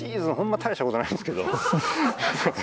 大した事ないんですけど。